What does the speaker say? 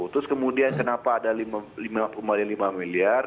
terus kemudian kenapa ada lima lima miliar